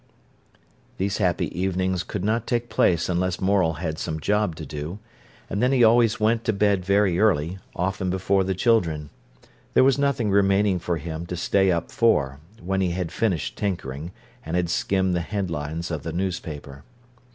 These happy evenings could not take place unless Morel had some job to do. And then he always went to bed very early, often before the children. There was nothing remaining for him to stay up for, when he had finished tinkering, and had skimmed the headlines of the newspaper.